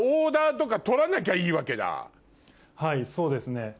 はいそうですね。